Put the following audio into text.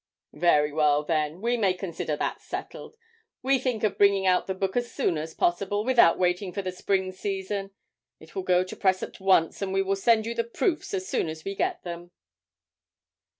'Very well, then, we may consider that settled. We think of bringing out the book as soon as possible, without waiting for the spring season; it will go to press at once and we will send you the proofs as soon as we get them in.'